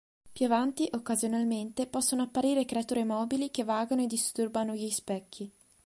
Più avanti, occasionalmente possono apparire creature mobili che vagano e disturbano gli specchi.